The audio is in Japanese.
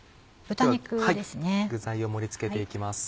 具材を盛り付けて行きます。